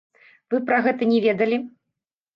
Вы пра гэта не ведалі?